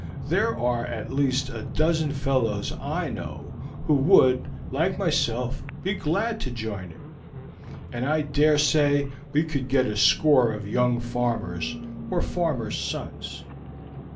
"There are at least a dozen fellows I know who would, like myself, be glad to join it, and I dare say we could get a score of young farmers or farmers' sons."